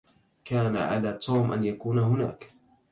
كان على توم أن يكون هناك.